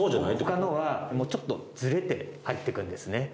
他のはちょっとズレて入って来るんですね。